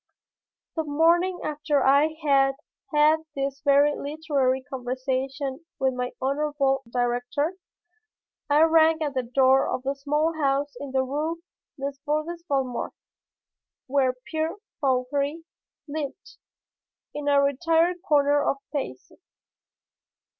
The morning after I had had this very literary conversation with my honorable director, I rang at the door of the small house in the Rue Desbordes Valmore where Pierre Fauchery lived, in a retired corner of Passy.